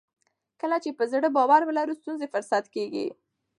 کله چې په زړه باور ولرو ستونزې فرصت کیږي.